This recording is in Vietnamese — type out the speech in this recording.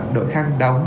đội khăn đóng